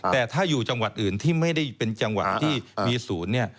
แต่ถ้าอยู่จังหวัดอื่นที่ไม่ได้เป็นจังหวัดที่มีศูนย์เนี่ย